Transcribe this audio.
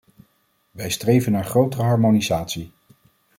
Wij streven naar grotere harmonisatie.